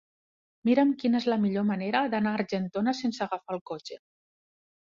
Mira'm quina és la millor manera d'anar a Argentona sense agafar el cotxe.